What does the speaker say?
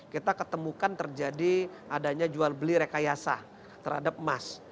kita ketemukan terjadi adanya jual beli rekayasa terhadap emas